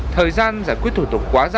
thời gian giải quyết thủ tục quá dài